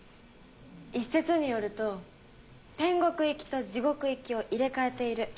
一説によると天国行きと地獄行きを入れ替えている。